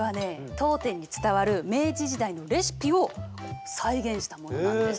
当店に伝わる明治時代のレシピを再現したものなんです。